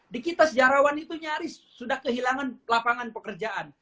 di kita sejarawan itu nyaris sudah kehilangan lapangan pekerjaan